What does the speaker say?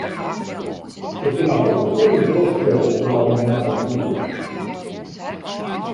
Ik kin noch wol oeren trochskriuwe oer al myn aventoeren.